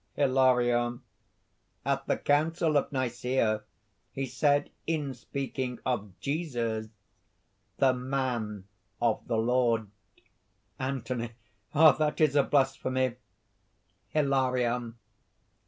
HILARION. "At the council of Nicæa he said in speaking of Jesus: 'The man of the Lord.'" ANTHONY. "Ah! that is a blasphemy!" HILARION.